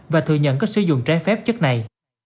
và thừa nhận có sử dụng trái phép chất này